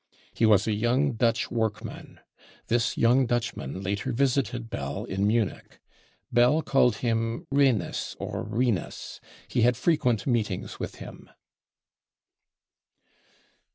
He was a young Dutch * workman. This young Dutchman later visited Bell in Munich. Bell called him Renus or Rinus. He* had frequent meetings with him.